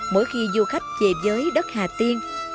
mỗi khi du khách về với đất hà tiên